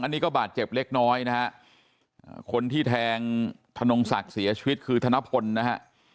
อันนี้ก็บาดเจ็บเล็กน้อยนะฮะคนที่แทงทนงศักดิ์เสียชีวิตคือธนพลนะฮะ